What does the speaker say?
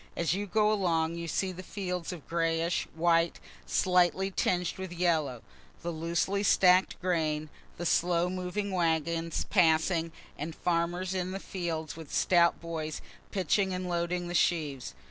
As you go along you see the fields of grayish white slightly tinged with yellow, the loosely stack'd grain, the slow moving wagons passing, and farmers in the fields with stout boys pitching and loading the sheaves.